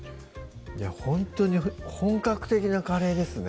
ほんとに本格的なカレーですね